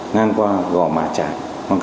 ngang qua gõ mả trải